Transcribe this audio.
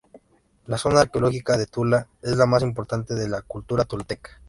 La Zona Arqueológica de Tula es la más importante de la cultura tolteca.